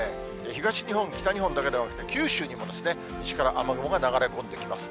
東日本、北日本だけではなくて、九州にも西から雨雲が流れ込んできます。